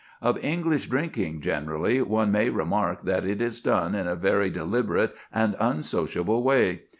Of English drinking, generally, one may remark that it is done in a very deliberate and unsociable way.